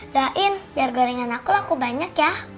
dahin biar gorengan aku laku banyak ya